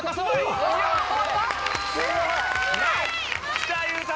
きた優太！